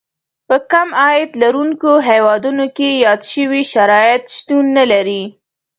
په کم عاید لرونکو هېوادونو کې یاد شوي شرایط شتون نه لري.